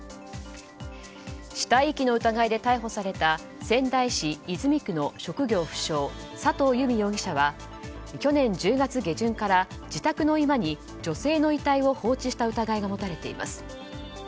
死体遺棄の疑いで逮捕された仙台市泉区の職業不詳、佐藤結美容疑者は去年１０月下旬から自宅の居間に女性の遺体を放置した疑いが持たれています。